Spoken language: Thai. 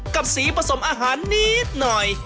กับสีผสมอาหารนิดหน่อย